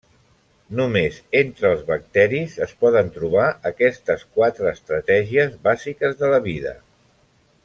Només entre els bacteris es poden trobar aquestes quatre estratègies bàsiques de la vida.